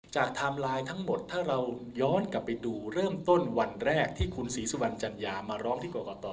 ไทม์ไลน์ทั้งหมดถ้าเราย้อนกลับไปดูเริ่มต้นวันแรกที่คุณศรีสุวรรณจัญญามาร้องที่กรกต